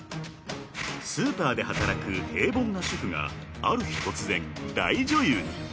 ［スーパーで働く平凡な主婦がある日突然大女優に］